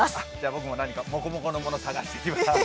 僕も何か、もこもこのもの探してきます。